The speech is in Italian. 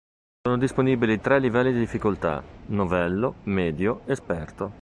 Sono disponibili tre livelli di difficoltà: Novello, Medio, Esperto.